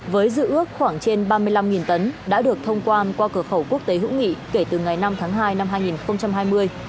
với dự ước khoảng trên ba mươi năm tấn đã được thông quan qua cửa khẩu quốc tế hữu nghị kể từ ngày năm tháng hai năm hai nghìn hai mươi